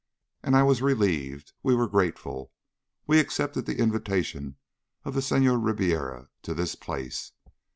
And I was relieved. We were grateful. We accepted the invitation of the Senhor Ribiera to this place.